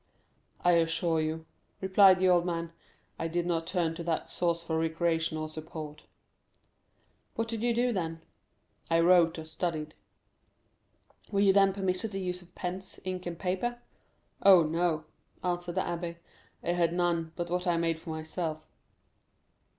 "I assure you," replied the old man, "I did not turn to that source for recreation or support." "What did you do then?" "I wrote or studied." "Were you then permitted the use of pens, ink, and paper?" "Oh, no," answered the abbé; "I had none but what I made for myself."